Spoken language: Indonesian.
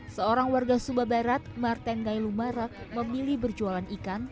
seorang warga sumba barat marten gailu marak memilih berjualan ikan